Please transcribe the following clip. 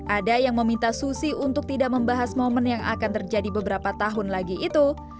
ada yang meminta susi untuk tidak membahas momen yang akan terjadi beberapa tahun lagi itu